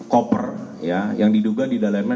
koper ya yang diduga di dalamnya